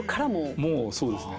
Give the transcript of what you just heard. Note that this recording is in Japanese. もうそうですね。